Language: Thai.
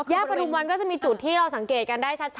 ประทุมวันก็จะมีจุดที่เราสังเกตกันได้ชัด